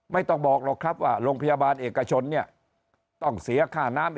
ไม่ต้องบอกหรอกครับว่าโรงพยาบาลเอกชนเนี่ยต้องเสียค่าน้ำ